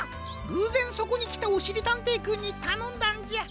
ぐうぜんそこにきたおしりたんていくんにたのんだんじゃ。